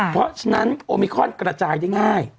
เพราะฉะนั้นโอมิคอนกระจายได้ง่าย